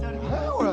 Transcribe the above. これ！